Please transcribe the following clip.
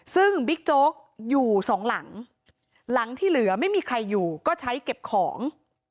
ซึ่งบิ๊กโจ๊กอยู่สองหลังหลังที่เหลือไม่มีใครอยู่ก็ใช้เก็บของ